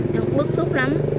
nhưng mà bước xúc lắm